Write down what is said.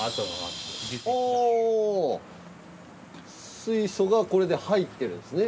水素がこれで入ってるんですね。